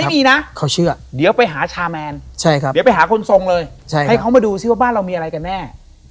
ไม่มีนะเขาเชื่อเดี๋ยวไปหาชาแมนเดี๋ยวไปหาคนทรงเลยให้เขามาดูซิว่าบ้านเรามีอะไรกันแน่